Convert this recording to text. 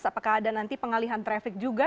apakah ada nanti pengalihan traffic juga